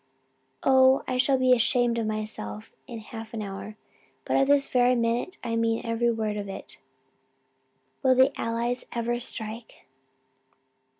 Oh I shall be ashamed of myself in half an hour but at this very minute I mean every word of it. Will the Allies never strike?"